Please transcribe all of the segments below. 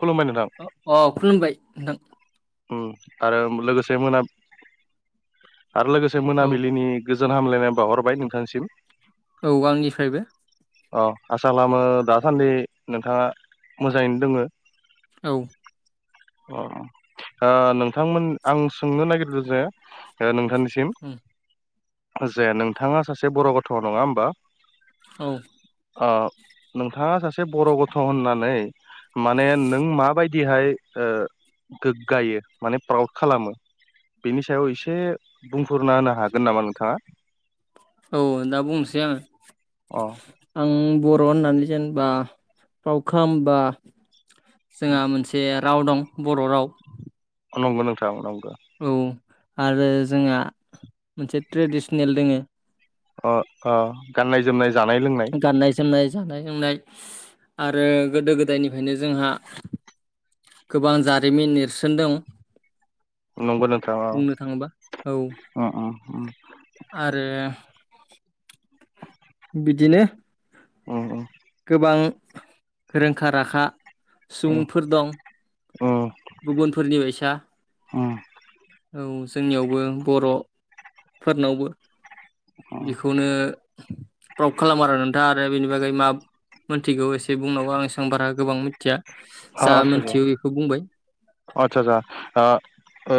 खुलुमबाय नोंथां औ खुलुमबाय नोंथां उम आरो लोगोसे मोना आरो लोगोसे औ मोनाबिलिनि गोजोन हामलायनाय बाउहरबाय नोंथांसिम। औ आंनिफ्रायबो अ आसा खालामो दासान्दि नोंथाङा मोजाङैनो दङो। औ अ नोंथांमोन आं सोंनो नागिरदों जे नोंथां निसिम उम, जे नोंथाङा सासे बर' गथ' नङा होमबा? औ अ नोंथाङा सासे बर' गथ' होननानै माने नों माबायदिहाय गोग्गायो माने प्राउड खालामो। बेनि सायाव एसे बुंफोरना होनो हागोन नामा नोंथाङा? औ दा बुंनोसै अ आङो आं बर' होननानै जेनेबा फ्रावड खालामबा जोंहा मोनसे राव दं बर' राव। औ नंगौ नोंथां नंगौ औ आरो जोंहा मोनसे ट्रेडिसनेल दोङो। अ अ गाननाय जोमनाय जानाय लोंनाय गाननाय जोमनाय जानाय लोंनाय आरो गोदो गोदायनिफ्रायनो जोंहा गोबां जारिमिन नेरसोनदों नंगौ नोंथां अ बुंनो थाङोबा औ उम उम आरो [inaudible] बिदिनो अ अ गोबां रोंखा राखा उम सुबुंफोर दं। उम गुबुनफोरनि बायसा उम उम औ। जोंनियावबो बर'फोरनावबो उम बेखौनो प्राउड खालामो आरो नोंथां आरो बेनि बागै मा मोनथिगौ एसे बुंनांगौ आं एसेबां बारा गोबां मिथिया अ जा आतसा मोनथियो बेखौ बुंबाय। आतसा आतसा आ ओ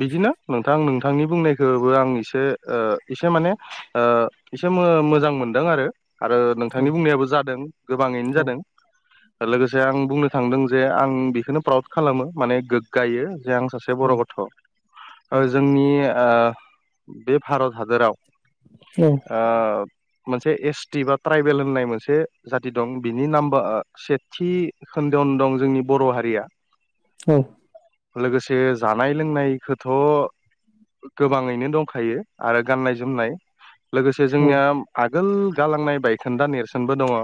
बिदिनो नोंथां नों थांनि बुंनायखौबो आं एसे ओ एसे माने ओ एसे मो-मोजां मोनदों आरो। आरो औ नोंथांनि बुंनायाबो जादों गोबाङैनो औ जादों। लोगोसे आं बुंनो थांदों जे आं बेखौनो प्राउड खालामो माने गोग्गायो। जे आं सासे औ बर' गथ' जोंनि ओ बे भारत हादोराव औ ओ मोनसे एस टि बा ट्राइबेल होननाय मोनसे जाथि दं बिनि नाम्बार सेथि खोन्दोआवनो दं जोंनि बर' हारिया औ लोगोसे जानाय लोंनायखोथ' गोबाङैनो दंखायो आरो गाननाय जोमनाय। लोगोसे औ जोंनिया आगोल गालांनाय बायखोन्दा नेरसोनबो दङ।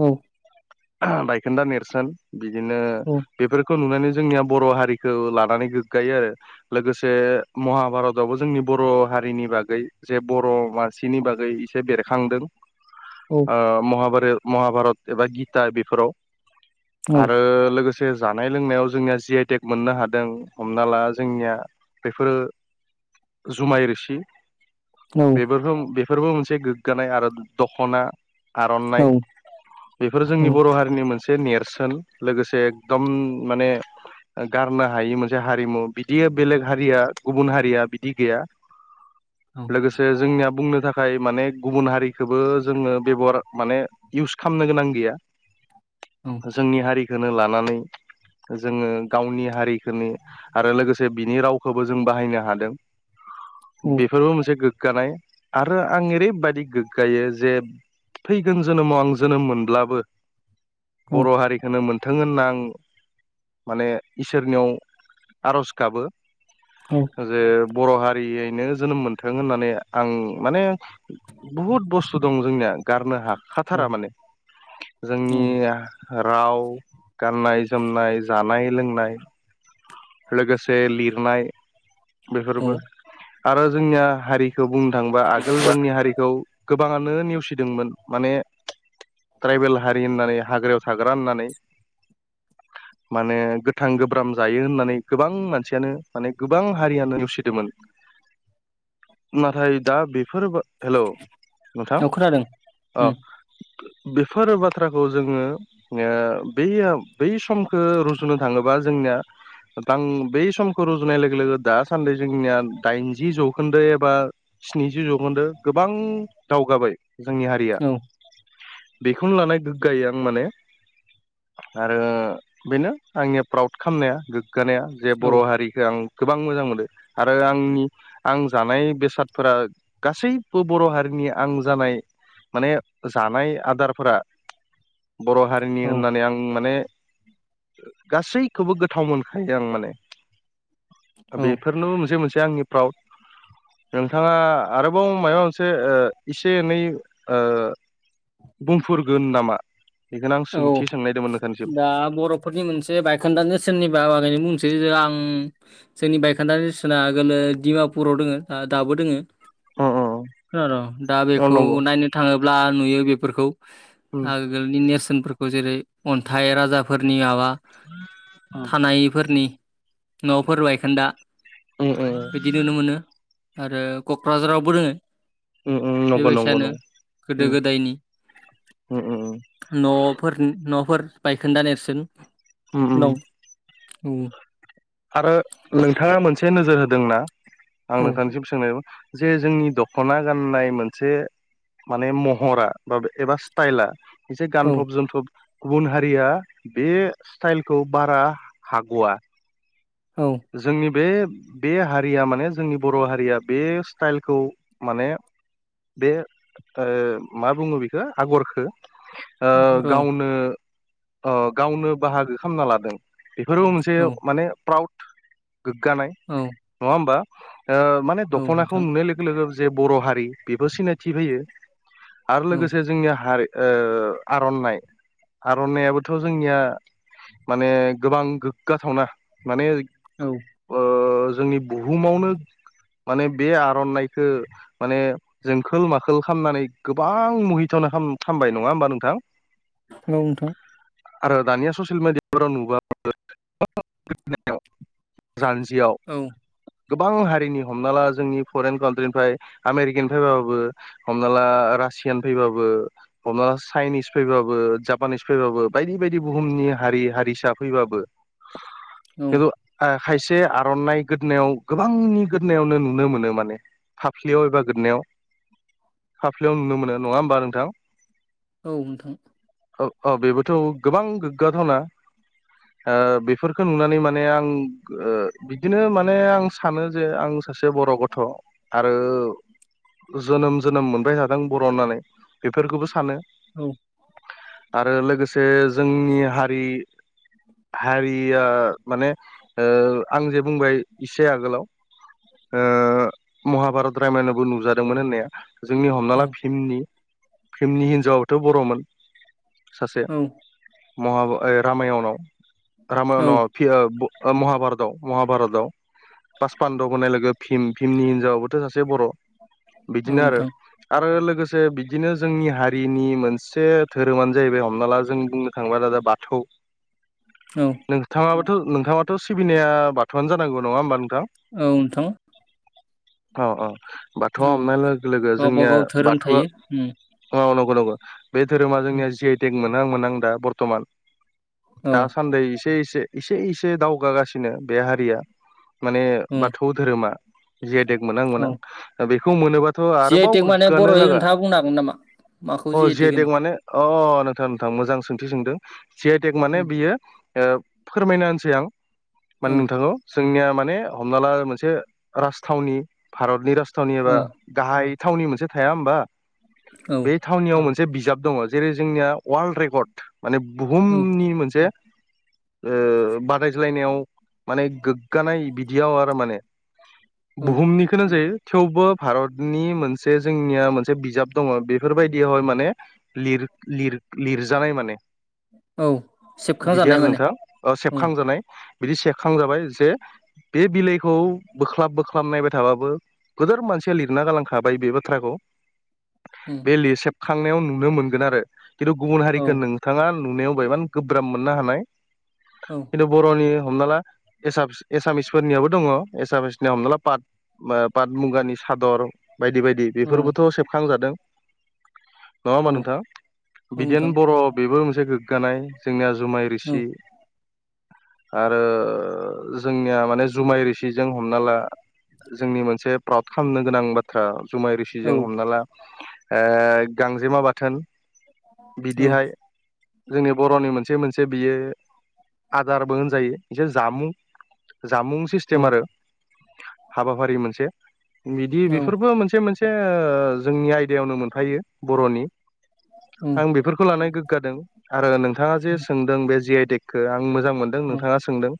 औ बायखोन्दा नेरसोन बिदिनो खौ नुनानै जोंनिया बर' हारिखौ लानानै गोग्गायो आरो लोगोसे महाभारतावबो जोंनि बर' हारिनि बागै जे बर' मानसिनि बागै एसे बेरखांदों। औ ओ महाभारे-महाभारत एबा गिता बेफोराव औ आरो लोगो से जानाय लोंनायाव जोंनिया जि आइ टेक मोननो हादों हमना ला जोंनिया बेफोरो जुमाय रोसि बेबोरफो-बेफोरबो मोनसे गोग्गानाय आरो दख'ना औ आर'नाइ बेफोरो जोंनि बर' हारिनि मोनसे नेरसोन लोगोसे एकदम माने गारनो हायि मोनसे हारिमु बिदि बेलेग हारिया गुबुन हारिया बिदि गैया। लोगोसे जोंनिया बुंनो था नाथाय माने गुबुन हारिखोबो जोङो बेब'हार माने इउस खामनो गोनां गैया। जोंनि हारिखोनो लानानै जोङो गावनि हारिखोनि आरो लोगोसे बिनि रावखौबो जों बाहायनो हादों। बेफोरबो मोनसे गोग्गानाय आरो आं ओरैबायदि गोग्गायो जे फैगोन जोनोमाव आं जोनोम मोनब्लाबो बर' हारिखौनो मोनथों होनना आं माने इसोरनियाव आर'ज गाबो जे बर' हारियैनो जोनोम मोनथों होननानै आं माने बहुद बुस्थु दं जोंनिया। गारनो औ हाखाथारा माने जोंनि औ राव, गाननाय जोमनाय जानाय लोंनाय। लोगोसे लिरनाय औ बेफोरबो आरो जोंनिया हारि खौ बुंनो थाङोबा आगोल जोंनि हारिखौ गोबाङानो नेवसिदोंमोन माने ट्राइबेल हारि होननानै हाग्रायाव थाग्रा होननानै माने गोथां गोब्राम जायो होननानै गोबां मानसियानो माने गोबां हारियानो नेवसिदोमोन। नाथाय दा बेफोर हेलौ नोंथां औ खोनादों अ उम बेफोर बाथ्राखौ जोङो ओ बेया बै समखो रुजुनो थाङोबा जोंनिया बै समखौ रुजुनाय लोगो लोगो दासान्दि जोंनिया दाइनजि जौखोन्दो एबा स्निजि जौखोन्दो गोबां दावगाबाय जोंनि हारिया। औ बेखौनो लानाय गोग्गायो आं माने। आरो बेनो आंनि प्राउड खालामनाया गोग गानाया जे औ बर' हारिखो आं गोबां मोजां मोनो आरो आंनि आं जानाय बेसादफोरा गासैबो बर' हारिनि नि आं जानाय माने जानाय आदारफोरा बर' हारिनि औ होननानै आं माने गासैखौबो गोथाव मोन खायो आं माने बेफोरनोबो मोनसे मोनसे आंनि प्राउड। नोंथाङा आरोबाव मायोबा मोनसे एसे एनै ओ बुंफोरगोन नामा? बेखौनो आं औ सोंथि सोंनायदोंमोन नोंथांनिसिम दा बर'फोरनि मोनसे बायखोन्दानो नेरसोननि‌ बा दानिया बुंसै आं जोंनि बाइखोन्दा नेरसोना आगोलो डिमापुराव दोङो दाबो दोङो। अ अ [unintelligible] दा अ बेखौ नंगौ नायनो थाङोब्ला नुयो बेफोरखौ। ओं आगोलनि नेरसोनफोरखौ जेरै अन्थाइ राजाफोरनि माबा थानायफोरनि न'फोर बायखोन्दा उम बिदि नुनो मोनो। आरो क'क्राझारावबो दोङो। उम उम नंगौ नंगौ बेबायसायानो नंगौ गोदो उम गोदायनि उम उम न'फोरनि न'फोर बायखोन्दा नेरसोन उम उम दं औ आरो नोंथाङा मोनसे नोजोर होदोंना आं औ नोंथांनिसिम सोंनाय जे जोंनि दख'ना गाननाय मोनसे माने महरा बा एबा स्टाइला एसे औ गानफब जोमफब गुबुन हारिया बे स्टाइलखौ बारा हाग'आ। औ जोंनि बे बे हारिया माने जोंनि बर' हारिया बे स्टाइलखौ माने बे ओ मा बुङो बेखो आगरखो ओ औ गावनो अ गावनो बाहागो खालामना लादों। बेफोरो मोनसे औ माने प्राउड गोग्गानाय औ नङा होमबा? ओ माने औ दख'नाखौ नोंथां नुनाय लोगो लोगो जे बर' हारि बेबो सिनायथि फैयो। आरो औ लोगोसे जोंनिया हारि ओ आर'नाइ आर'नाइयाबोथ' जोंनिया माने गोबां गोग्गाथावना माने औ ओ जोंनि बुहुमावनो माने बे आर'नाइखो माने जोंखोल माखोल खालामनानै गोबां मुहिथाव हामबाय नङा होमबा नोंथां? औ नोंथां। आरो दानिया ससियेल मिडियाफोराव नुबो [unintelligible] जान्जिआव औ गोबां हारिनि हमना ला जोंनि फरेन कान्ट्रिनिफ्राय आमेरिकानिफ्राय बाबाबो हमना ला रासियान फैबाबो हमना‌ लख चाइनिस फैबाबो जापानिस फैबाबो बायदि बायदि बुहुमनि हारि हारिसा फैबाबो औ खिन्थु आ खायसे आर'नाइ गोदनायाव गोबांनि गोदनायावनो नुनो मोनो माने फाफ्लियाव एबा गोदनायाव फाफ्लियाव नुनो मोनो नङा होमबा नोंथां? औ नोंथां। औ औ बेबोथ' गोबां गोग्गाथावना। ओ बि बेफोरखौ नुनानै माने आं बिदिनो माने आं सानो जे आं सासे बर' गथ' आरो जोनोम जोनोम मोनबाय थादों बर' होननानै। बेफोरखौबो सानो औ आरो लोगोसे जोंनि हारि हारि माने ओ आं जे बुंबाय इसे आगोलाव ओ महाभारत रायमानायावबो नुजादोंमोन होननाया। जोंनि हमना ला औ फिल्मनि फिल्मनि हिनजावाबोथ' बर'मोन। सासे औ महाभ ओइ रामायणाव औ रामायणाव [unintelligible] महाभारतआव महाभारतआव पास पान्द'ब होननाय लोगो लोगो भिम भिमनि हिनजावाबोथ' सासे बर'। बिदिनो आरो नोंथां आरो लोगोसे से बिदिनो जोंनि हारिनि मोनसे धोरोमानो जाहैबाय हमना ला जों बुंनो थांबोला दा बाथौ। औ नोंथाङाबाथ' नोंथाङाबोथ' सिबिनाया बाथौआनो जानांगौ नङा होमबा नों औ नोंथां। औ औ बाथौआ औ हमनाय लोगो लोगो गावबा जोंनिया गाव धोरोम बाथौआ थायो उम मावनां [unintelligible] बे धोरोमा उम जोंनिया जि आइ टेक मोनहां मोनहां दा बर्थमान। औ दासान्दि एसे एसे एसे एसे दावगागासिनो बे हारिया। माने उम बाथौ धोरोमा जि आइ टेक मोनहां औ मोनहां बेखौ मोनोबा थ' जि आइ आरोबाव टेक माने गोग्गानो बर'यै लागा नोंथाङा बुंनो हागोन नामा अ जि आइ टेक माने अ नोंथां नोंथां मोजां सोंथि सोंदों जि आइ टेक माने उम बियो ओ फोरमायना होनसै आं औ माने नोंथांखौ। जोंनिया माने हमना ला मोनसे राजथावनि भारतनि राजथावनि एबा ओ गाहाय थावनि मोनसे थाया होमबा औ बे थावनियाव मोनसे जे मोनसे बिजाब दङ जेरै जोंनिया वार्ल रेकर्ड माने औ बुहुमनि मोनसे ओ बादायज्लायनायाव माने गोग्गानाय बिदियाव आरो माने औ बुहुमनिखोनो होनजायो। थेवबो भारतनि मोनसे जोंनिया मोनसे बिजाब दङ बेफोरबायदियावहाय माने लिर लिर-लिरजानाय माने। औ बिदि सेबखांजानाय आरो माने नोंथाङा औ सेबखांजानाय। बिदि सेखांजाबाय जे बे बिलाइखौ बोख्लाब बोख्लाब नायबाय थाबाबो गोदोर मान मानसिया लिरना गालांखाबाय बे बाथ्राखौ। उम बे लिरसेबखांनायाव नुनो मोनगोन आरो खिन्थु गुबुन औ हारिखौ नोंथाङा नुनायाव बायमान गोब्राब मोननो हानाय औ खिन्थु बर'नि हमना ला एसामिस एसामिस फोरनियावबो दङ एसामिसनिया हमना ला पाट, पाट मुगानि हादर बायदि बायदि औ बेफोरबोथ' सेबखांजादों। नङा होमबा औ नोंथां? बिदेनो नोंथां बर' बेबो मोनसे गोग्गानाय जोंनिया जुमाय औ रोसि आरो जोंनिया माने जुमाय रोसिजों हमना ला। जोंनि मोनसे [unintelligible] खामनो गोनां बाथ्रा जुमाय औ रोसिजों हमना ला ओ गांजेमा बाथोन। औ बिदिहाय जोंनि बर'नि मोनसे मोनसे बियो आदारबो होनजायो बिसोर जामुं जामुं औ सिस्टेम आरो हाबाफारि मोनसे बिदि औ बेफोरबो मोनसे मोनसे ओ जोंनि आइ दायावनो मोनफायो बर'नि उम आं बेफोरखौ लानाय गोग्गादों आरो नों जे सोंदों बे जि आइ टेक खो आं मोजां मोनदों उम नोंथाङा सोंदों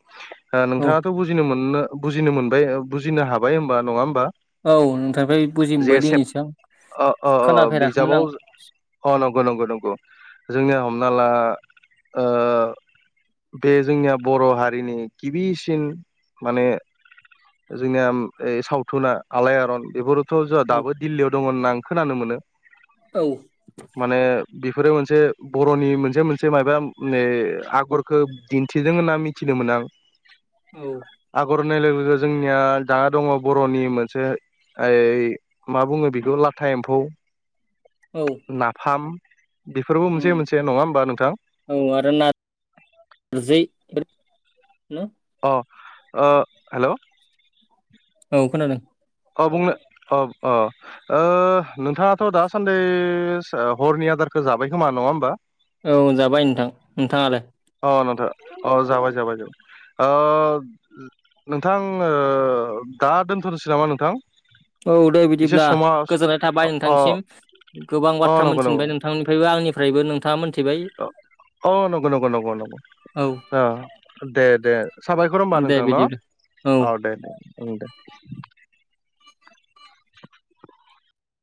औ नोंथाङाथ' बुजिनो मोननो बुजिनो मोनबाय बुजिनो हाबाय होनबा नङा होमबा? औ नोंथांफ्राय बुजि जे मोनबाय सेब दिनैसो आं अ खोनाफेराखैमोन बिजाबाव आं अ उम नंगौ नंगौ नंगौ जोंनिया हमना ला ओ बे जोंनिया बर' हारिनि गिबिसिन माने जोंनिया सावथुना आलायआरन बेफोर थ' जोंहा औ दाबो दिल्लीयाव दं होनना आं खोनानो मोनो औ। माने बेफोरो मोनसे बर'नि मोनसे मोनसे मायोबा आगरखौ दिन्थिदों होनना मिथिदोंमोन आं औ। आगर होननाय लोगो लोगो जोंनिया दा दङ बर'नि मोनसे ओइ मा बुङो बेखौ लाथा एम्फौ, औ नाफाम बेफोरबो मोनसे उम मोनसे नङा होमबा नोंथां औ आरो ना नारजै हालौ हेलौ औ खोनादों। औ बुंनो औ औ नोंथाङाथ' दासान्दि हरनि आदार खो जाबाय खोमा नङा होमबा? औ जाबाय नोंथां नोंथाङालाय अ नोंथां अ जाबाय जाबाय जाबाय। नोंथां दा दोनथ'नोसै नामा नोंथां। औ दे एसे बिदिब्ला समा गोजोननाय थाबाय अ नोंथांनिसिम गोबां अ बाथ्रा नंगौ मोनथिनबाय नोंथांनिफ्रायबो आंनि आंनिफ्रायबो नोंथाङा मोनथि औ नंगौ नंगौ नंगौ नंगौ। औ दे दे साबायखर होनबा दे नोंथां न। बिदिब्ला औ आ दे उम दे।